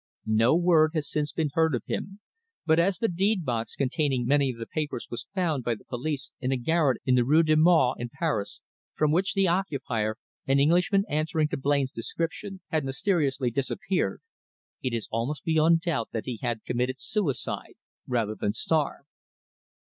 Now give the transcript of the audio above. No word has since been heard of him, but as the deed box containing many of the papers was found by the police in a garret in the Rue du Maure in Paris, from which the occupier an Englishman answering to Blain's description had mysteriously disappeared, it is almost beyond doubt that he had committed suicide rather than starve.